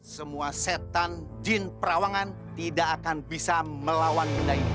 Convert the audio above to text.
semua setan jin perawangan tidak akan bisa melawan